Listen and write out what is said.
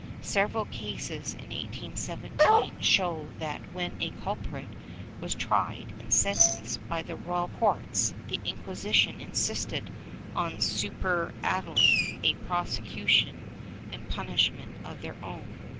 ^ Several cases, in 1817, show that when a culprit was tried and sentenced by the royal courts, the Inquisition insisted on superadding a prosecution and punishment of its own.